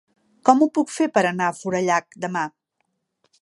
Com ho puc fer per anar a Forallac demà?